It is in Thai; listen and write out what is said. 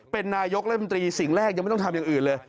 เป็นนายกรัฐมนตรีสิ่งแรกยังไม่ต้องทำอย่างอื่นเลย